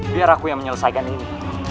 biar aku yang menyelesaikan ini